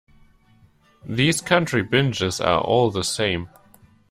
These country binges are all the same.